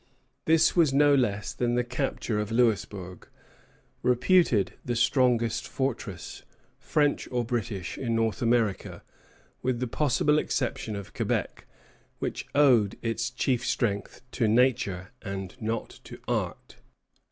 This was no less than the capture of Louisbourg, reputed the strongest fortress, French or British, in North America, with the possible exception of Quebec, which owed its chief strength to nature, and not to art.